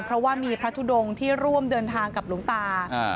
เพราะว่ามีพระทุดงที่ร่วมเดินทางกับหลวงตา